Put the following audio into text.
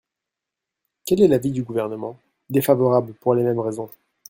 Quel est l’avis du Gouvernement ? Défavorable pour les mêmes raisons.